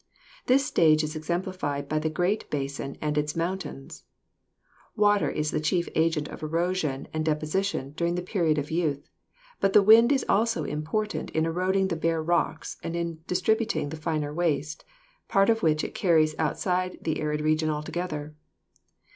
This stage is ex emplified by the Great Basin and its mountains. Water is the chief agent of erosion and deposition during the period of youth, but the wind is also important in eroding the bare rocks and in distributing the finer waste, part of which it carries outside of the arid region altogether.